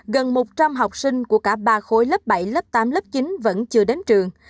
gần một trăm linh học sinh của cả ba khối lớp bảy lớp tám lớp chín vẫn chưa đến trường